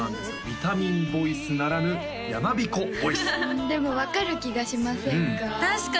ビタミンボイスならぬやまびこボイスでも分かる気がしませんか？